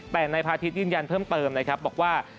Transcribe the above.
แต่นายพาทิตยืนยันเพิ่มเติมนะครับบอกว่า